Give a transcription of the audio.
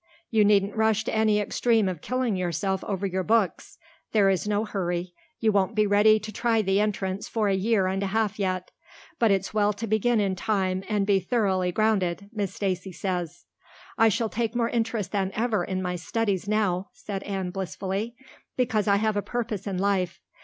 "You needn't rush to any extreme of killing yourself over your books. There is no hurry. You won't be ready to try the Entrance for a year and a half yet. But it's well to begin in time and be thoroughly grounded, Miss Stacy says." "I shall take more interest than ever in my studies now," said Anne blissfully, "because I have a purpose in life.